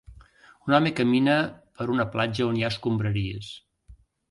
Un home camina per una platja on hi escombraries.